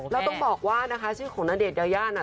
แล้วต้องบอกว่านะคะชื่อของณเดชนยายาน่ะ